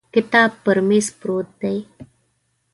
کتاب پر مېز پروت دی.